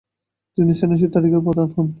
তিনি সেনুসি তরিকার প্রধান হন।